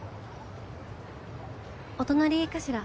お隣いいかしら？